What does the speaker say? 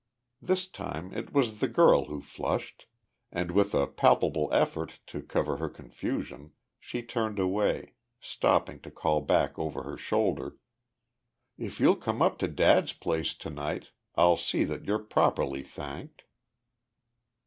This time it was the girl who flushed, and, with a palpable effort to cover her confusion, she turned away, stopping to call back over her shoulder, "If you'll come up to dad's place to night I'll see that you're properly thanked."